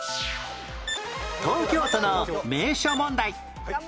東京都の名所問題